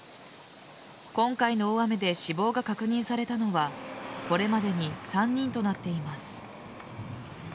今回の大雨で死亡が確認されたのはこれまでに３人となっています。